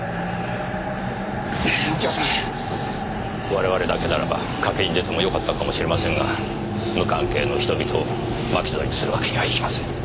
我々だけならば賭けに出てもよかったかもしれませんが無関係の人々を巻き添えにするわけにはいきません。